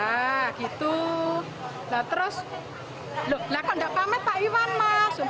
nah gitu nah terus lah kok tidak pamit pak iwan mas